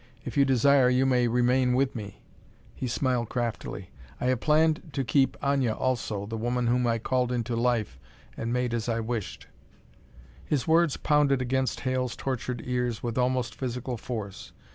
If you desire, you may remain with me." He smiled craftily. "I have planned to keep Aña also, the woman whom I called into life and made as I wished." His words pounded against Hale's tortured ears with almost physical force.